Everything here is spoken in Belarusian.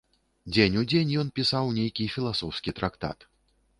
Дзень у дзень ён пісаў нейкі філасофскі трактат.